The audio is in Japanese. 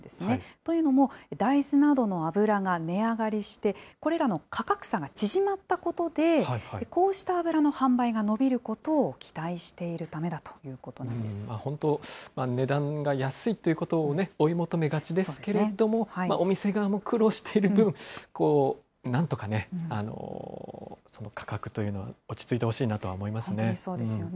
というのも、大豆などの油が値上がりして、これらの価格差が縮まったことで、こうした油の販売が伸びることを期待しているためだということな本当、値段が安いっていうことをね、追い求めがちですけれども、お店側も苦労している分、なんとかね、その価格というのが落ち着いてほしいなと思いますね。